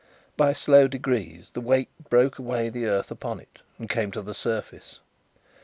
By slow degrees the weight broke away the earth upon it, and came to the surface.